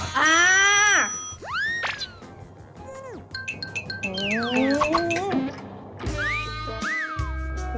อ่า